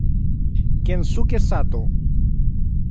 Kensuke Sato